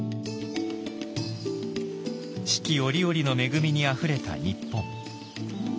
四季折々の恵みにあふれた日本。